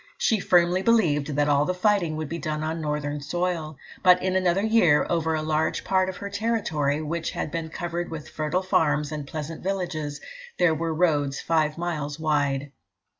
She firmly believed that all the fighting would be done on Northern soil; but in another year, over a large part of her territory, which had been covered with fertile farms and pleasant villages, there were roads five miles wide.